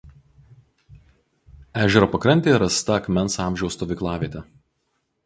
Ežero pakrantėje rasta akmens amžiaus stovyklavietė.